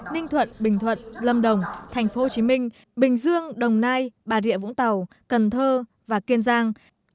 ninh thuận bình thuận lâm đồng thành phố hồ chí minh bình dương đồng nai bà rịa vũng tàu cần thơ và kiên giang